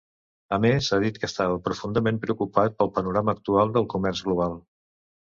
A més, ha dit que estava ‘profundament preocupat’ pel panorama actual del comerç global.